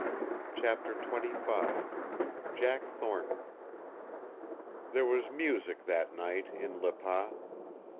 CHAPTER XXV JACK THORNTON There was music that night in Le Pas.